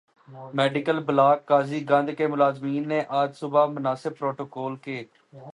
medical block Qazigund کے ملازمین نے آج صبح مناسب پروٹوکول ک